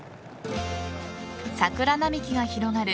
桜並木が広がる